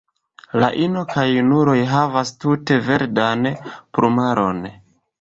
La ino kaj junuloj havas tute verdan plumaron.